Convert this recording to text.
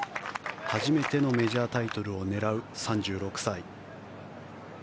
初めてのメジャータイトルを狙う３６歳。